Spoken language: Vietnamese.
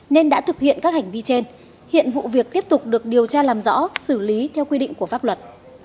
nên đã thực hiện các hành vi trên hiện vụ việc tiếp tục được điều tra làm rõ xử lý theo quy định của pháp luật